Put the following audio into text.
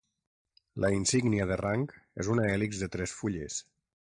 La insígnia de rang és una hèlix de tres fulles.